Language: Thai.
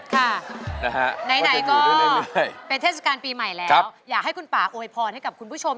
ค่ะไหนก็เป็นเทศกาลปีใหม่แล้วอยากให้คุณป่าโอยพรให้กับคุณผู้ชม